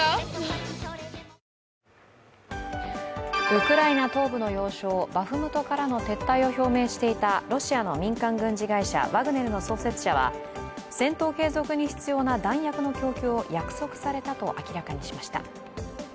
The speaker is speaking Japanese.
ウクライナ東部の要衝バフムトからの撤退を表明していたロシアの民間軍事会社ワグネルの創設者は戦闘継続に必要な弾薬の供給を約束されたと明らかにしました。